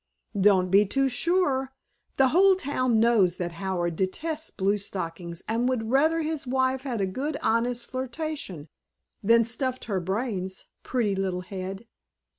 "Don't be too sure. The whole town knows that Howard detests bluestockings and would rather his wife had a good honest flirtation than stuffed her brains.... Pretty little head."